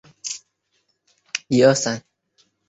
多腺远环蚓为巨蚓科远环蚓属下的一个种。